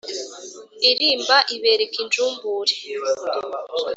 Irimba, ibereka injumbure.